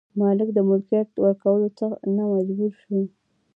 مالک د ملکیت ورکولو ته مجبوریږي.